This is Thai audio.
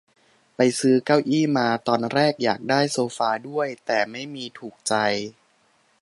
ไปซื้อเก้าอี้มา ตอนแรกอยากได้โซฟาด้วย แต่ไม่มีถูกใจ